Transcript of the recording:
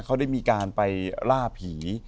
เขาได้มีการไปล่าผี